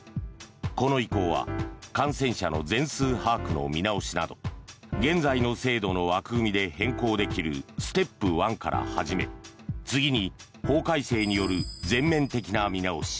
この移行は感染者の全数把握の見直しなど現在の制度の枠組みで変更できるステップ１から始め次に法改正による全面的な見直し